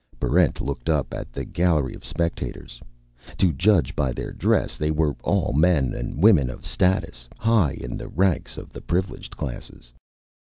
Barrent looked up at the gallery of spectators. To judge by their dress, they were all men and women of status; high in the ranks of the Privileged Classes.